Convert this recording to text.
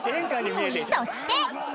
［そして］